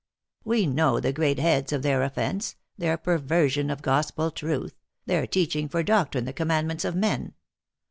" We know the great heads of their offense their perversion of gospel truth their teaching for doc trine the commandments of men.